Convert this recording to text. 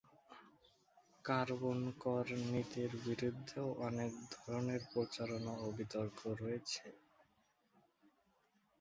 Carbon কর নীতির বিরুদ্ধেও অনেক ধরনের প্রচারণা ও বিতর্ক রয়েছে।